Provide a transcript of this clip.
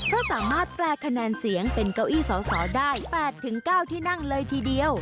ก็สามารถแปลคะแนนเสียงเป็นเก้าอี้สอสอได้๘๙ที่นั่งเลยทีเดียว